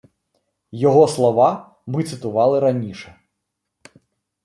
Його слова ми цитували раніше